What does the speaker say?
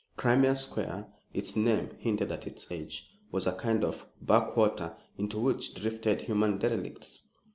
Crimea square its name hinted at its age was a kind of backwater into which drifted human derelicts.